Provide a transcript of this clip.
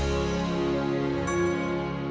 terima kasih serius